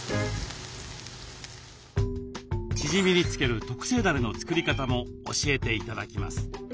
チヂミにつける特製だれの作り方も教えて頂きます。